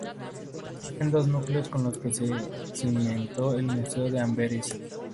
Existen dos núcleos con los que se cimentó el Museo de Amberes.